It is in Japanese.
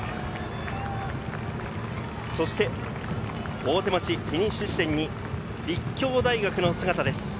大手町フィニッシュ地点に立教大学の姿です。